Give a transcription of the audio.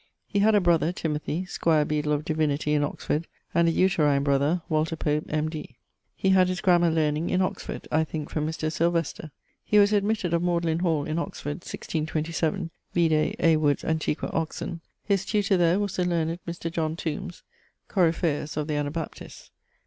He had a brother (Timothy), squier beadle of in Oxford, and a uterine brother, Walter Pope, M.D. He had his grammar learning in Oxford, (I thinke from Mr. Sylvester). He was admitted of Magdalen hall in Oxford, <1627> (vide A. Wood's Antiq. Oxon.) His tutor there was the learned Mr. John Tombs (Coryphaeus of the Anabaptists).